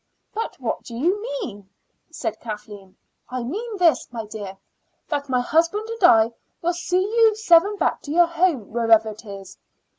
"But what do you mean?" said Kathleen. "I mean this, my dear, that my husband and I will see you seven back to your home, wherever it is."